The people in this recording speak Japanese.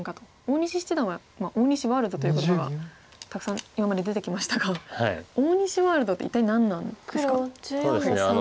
大西七段は大西ワールドという言葉がたくさん今まで出てきましたが大西ワールドって一体何なんですか？